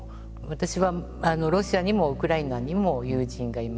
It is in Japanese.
私はロシアにもウクライナにも友人がいます。